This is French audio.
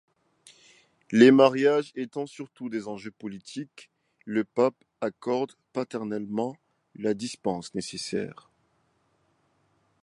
Les mariages étant surtout des enjeux politiques, le pape accorde paternellement la dispense nécessaire.